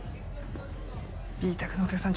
Ｂ卓のお客さん